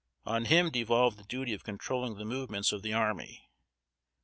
On him devolved the duty of controlling the movements of the army.